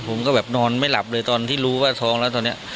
ผมก็แบบนอนไม่หลับเลยตอนที่รู้ว่าท้องแล้วตอนนี้